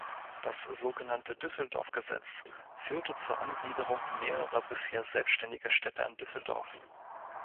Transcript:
Das sogenannte Düsseldorf-Gesetz führte zur Angliederung mehrerer bisher selbstständiger Städte an Düsseldorf.